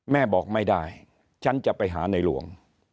แม่บอกไม่ได้ฉันจะไปหาในหลวง